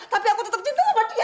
tapi aku tetap cinta sama dia